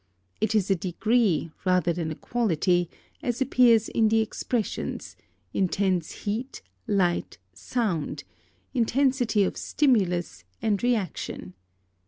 It is a degree rather than a quality, as appears in the expressions, intense heat, light, sound, intensity of stimulus and reaction.